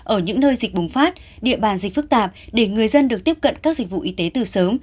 ở những nơi dịch bùng phát địa bàn dịch phức tạp để người dân được tiếp cận các dịch vụ y tế từ sớm